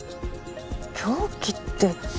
凶器って。